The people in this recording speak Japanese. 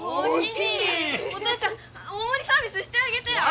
お父ちゃん大盛りサービスしてあげてや！